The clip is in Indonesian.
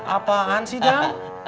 apaan sih jam